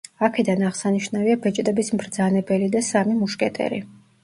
აქედან აღსანიშნავია „ბეჭდების მბრძანებელი“ და „სამი მუშკეტერი“.